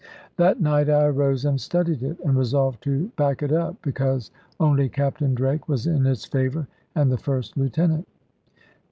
That night I arose and studied it, and resolved to back it up, because only Captain Drake was in its favour, and the first lieutenant.